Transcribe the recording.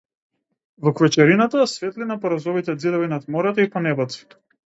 Во квечерината, светлина по розовите ѕидови над морето и по небото.